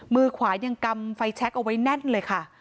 มือขวายังกำไฟแช็คเอาไว้แน่นเลยค่ะ